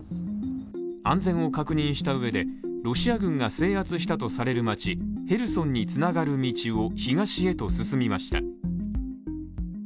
安全を確認したうえで、ロシア軍が制圧したとされる街、ヘルソンへとつながる道を東へと進みました。